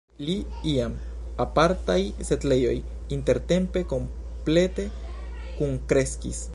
La iam apartaj setlejoj intertempe komplete kunkreskis.